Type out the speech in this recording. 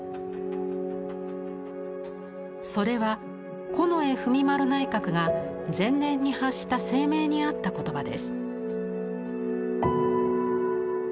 それは近衛文麿内閣が前年に発した声明にあった言葉です。